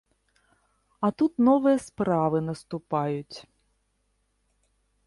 А тут новыя справы наступаюць.